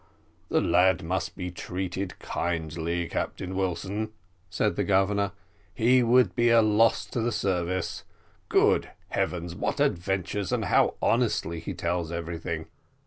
"The lad must be treated kindly, Captain Wilson," said the Governor; "he would be a loss to the service. Good heavens, what adventures! and how honestly he tells everything.